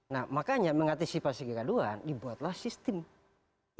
nah makanya mengantisipasi kegaduhan dibuatlah sistem e budgeting